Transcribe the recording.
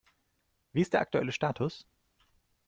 Wie ist der aktuelle Status?